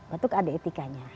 batuk ada etikanya